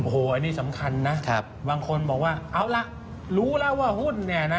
โอ้โหอันนี้สำคัญนะบางคนบอกว่าเอาล่ะรู้แล้วว่าหุ้นเนี่ยนะ